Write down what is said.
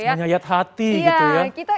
menyayat hati gitu ya